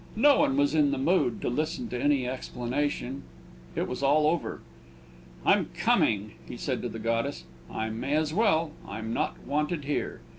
No one was in the mood to listen to any explanation; it was all over! "I'm coming," he said to the goddess. "I may as well; I'm not wanted here."